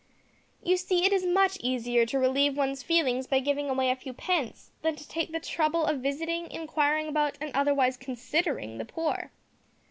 You see, it is much easier to relieve one's feelings by giving away a few pence, than to take the trouble of visiting, inquiring about, and otherwise considering, the poor!